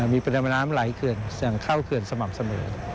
มีแปลมน้ำไหลเขื่อนอย่างเข้าเขื่อนสม่ำเสมอ